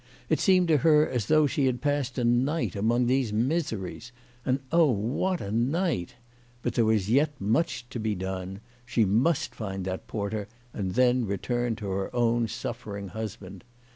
It seemed to her as though she had passed a night among these miseries. And, oh, what a night ! But there was yet much to be done. She must find that porter, and then return to her own suffering husband.